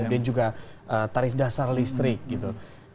kemudian juga tarif dasar listrik gitu